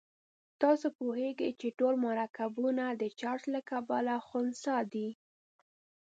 تاسې پوهیږئ چې ټول مرکبونه د چارج له کبله خنثی دي.